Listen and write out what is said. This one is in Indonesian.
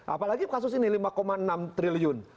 apalagi kasus ini lima enam triliun